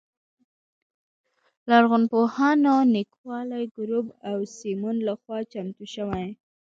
لرغونپوهانو نیکولای ګروب او سیمون لخوا چمتو شوې.